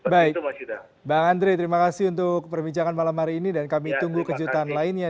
baik mbak andri terima kasih untuk perbincangan malam hari ini dan kami tunggu kejadiannya